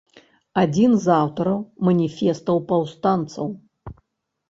Адзін з аўтараў маніфестаў паўстанцаў.